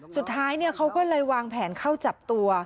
สุดท้ายเขาก็เลยวางแผนเข้าจับตัว